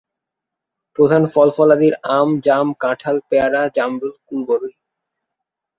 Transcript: প্রধান ফল-ফলাদিব আম, জাম, কাঁঠাল, পেয়ারা, জামরুল, কুলবরই।